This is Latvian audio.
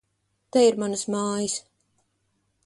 Te ir manas mājas!